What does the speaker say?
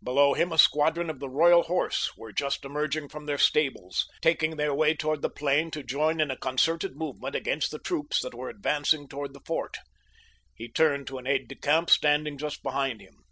Below him a squadron of the Royal Horse were just emerging from their stables, taking their way toward the plain to join in a concerted movement against the troops that were advancing toward the fort. He turned to an aide de camp standing just behind him.